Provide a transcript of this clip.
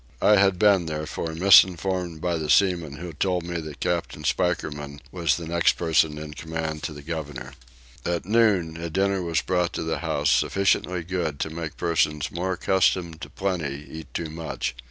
I had been, therefore, misinformed by the seaman who told me that captain Spikerman was the next person in command to the governor. At noon a dinner was brought to the house sufficiently good to make persons more accustomed to plenty eat too much.